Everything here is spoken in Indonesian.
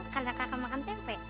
karena kakak makan tempe